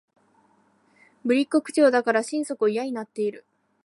ぶりっ子口調だから心底嫌になっている